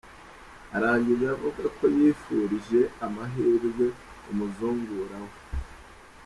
Arangiza avuga ko yifurije amahirwe umuzungura we.